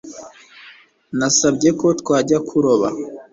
nasabye ko twajya kuroba